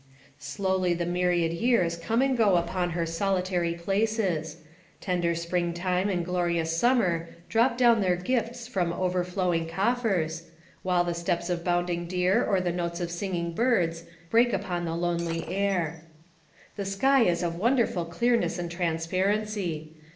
Slowly the myriad years come and go upon her soli tary places. Tender spring time and glorious summer drop down their gifts from overflowing coffers, while the steps of bounding deer or the notes of singing birds break upon the lonely air. The sky is of wonderful clearness and transparency.